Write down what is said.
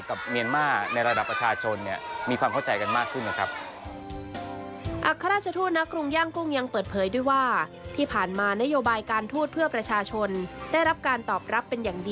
เมียนมาร์ในระดับประชาชนเนี่ยมีความเข้าใจกันมากขึ้นนะครับ